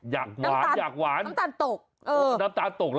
อยากหวานอยากหวานน้ำตาลตกเออน้ำตาลตกเห